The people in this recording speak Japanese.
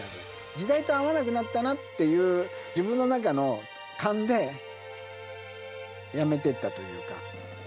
時代と合わなくなったなっていう、自分の中の勘で辞めてったというか。